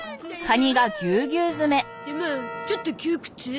でもちょっと窮屈？